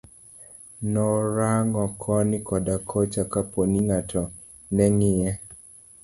Norang'o koni koda kocha kaponi ngato neng'iye.